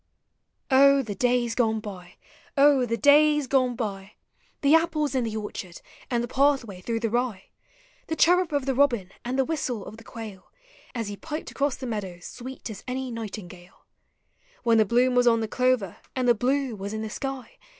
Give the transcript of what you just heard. O the davs gone by ! O the days gone by ! The apples in the orchard, and the pathway through the rye; The chirrup of the robin, and the whistle of the quail As he piped across the meadows sweet as any nightingale; When the bloom was on the clover, and the blue was in the sky.